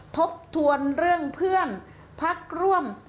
ทบทวนเรื่องเพื่อนพักร่วม